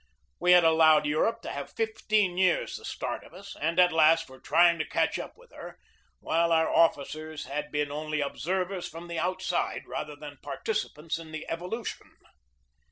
We had allowed Eu rope to have fifteen years the start of us, and at last were trying to catch up with her, while our officers had been only observers from the outside, 164 GEORGE DEWEY rather than participants in the evolution.